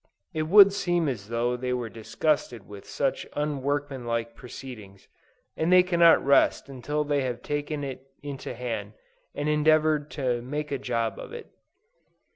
It would seem as though they were disgusted with such unworkmanlike proceedings, and that they cannot rest until they have taken it into hand, and endeavored to "make a job of it."